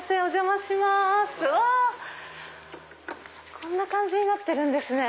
こんな感じになってるんですね。